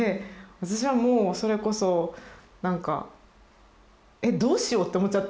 私はもうそれこそ「えっどうしよう」と思っちゃって。